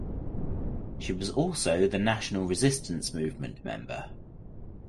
She was also the National Resistance Movement member.